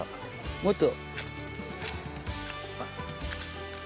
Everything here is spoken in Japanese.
もっと。